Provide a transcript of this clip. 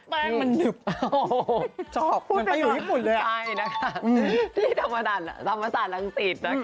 มันดึบชอบมันไปอยู่ญี่ปุ่นเลยที่ธรรมดาธรรมศาลังสิต